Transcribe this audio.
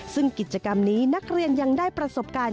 ซึ่งกิจกรรมนี้นักเรียนยังได้ประสบการณ์